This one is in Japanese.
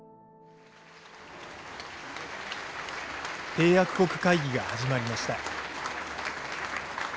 締約国会議が始まりました。